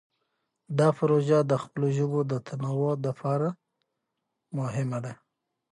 دا پروژه د خپلو ژبو د تنوع د ساتلو لپاره مهمه ده.